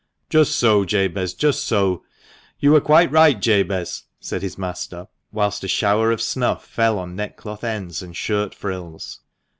" Just so, Jabez, just so ; you were quite right, Jabez," said his master, whilst a shower of snuff fell on neckcloth ends and shirt frills.